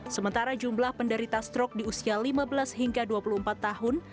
sementara jumlah penderita strok di usia lima belas hingga dua puluh empat tahun